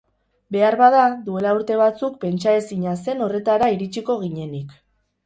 Beharbada, duela urte batzuk pentsaezina zen horretara iritsiko ginenik.